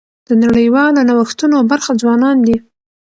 د نړیوالو نوښتونو برخه ځوانان دي.